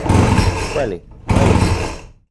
Kuali, maya.